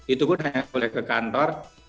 itu pun hanya boleh ke kantor